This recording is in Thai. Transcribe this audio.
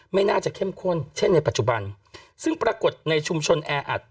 ไม่น่าจะเข้มข้นเช่นในปัจจุบันซึ่งปรากฏในชุมชนแออัด